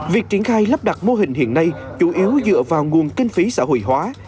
việc triển khai lắp đặt mô hình hiện nay chủ yếu dựa vào nguồn kinh phí xã hội hóa